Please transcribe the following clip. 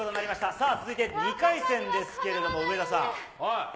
さあ、続いて２回戦ですけれども、上田さん。